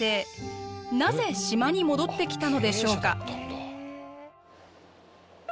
なぜ島に戻ってきたのでしょうか？